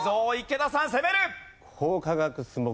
池田さん攻める！